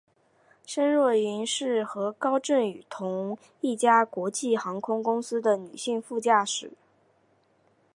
申若云是和高振宇同一家国际航空公司的女性副驾驶。